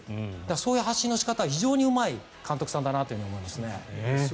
そういう発信の仕方が非常にうまい監督さんだと思います。